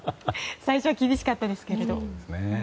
最初は厳しかったですけど。